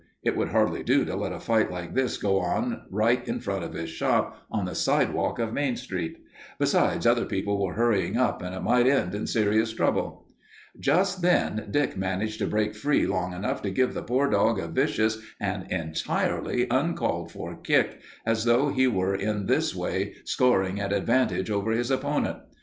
It would hardly do to let a fight like this go on right in front of his shop, on the sidewalk of Main Street. Besides, other people were hurrying up and it might end in serious trouble. Just then Dick managed to break free long enough to give the poor dog a vicious and entirely uncalled for kick, as though he were in this way scoring an advantage over his opponent.